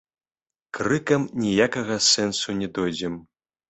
Крыкам ніякага сэнсу не дойдзем.